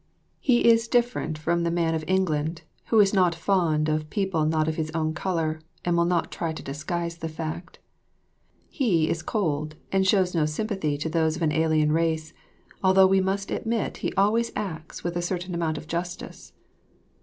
He is different from the man of England, who is not fond of people not of his own colour and will not try to disguise the fact. He is cold and shows no sympathy to those of an alien race, although we must admit he always acts with a certain amount of justice.